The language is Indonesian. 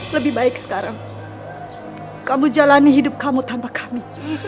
lebih baik sekarang kamu jalani hidup kamu tanpa kami